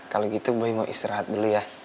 kalo gitu boy mau istirahat dulu ya